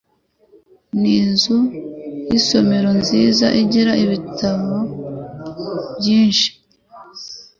Ni inzu y’isomero nziza igira ibitabo byinshi.